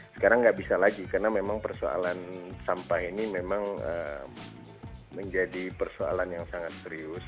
sekarang nggak bisa lagi karena memang persoalan sampah ini memang menjadi persoalan yang sangat serius